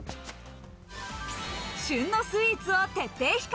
旬のスイーツを徹底比較！